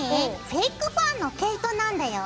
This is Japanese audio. フェイクファーの毛糸なんだよ。